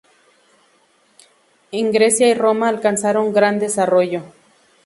En Grecia y Roma alcanzaron gran desarrollo.